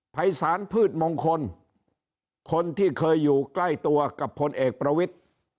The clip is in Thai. ภัยศาลพืชมงคลคนที่เคยอยู่ใกล้ตัวกับพลเอกประวิทธิ์